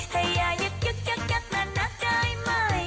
ให้อย่ายึกนานักได้ไหม